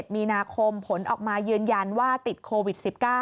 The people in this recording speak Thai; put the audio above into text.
มีนาคมผลออกมายืนยันว่าติดโควิด๑๙